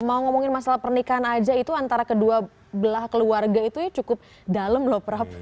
mau ngomongin masalah pernikahan aja itu antara kedua belah keluarga itu ya cukup dalam loh prap